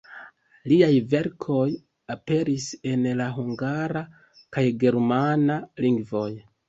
Liaj verkoj aperis en la hungara, kaj germana lingvoj.